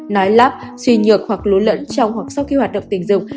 nói lắp suy nhược hoặc lú lẫn trong hoặc sau khi hoạt động tình dục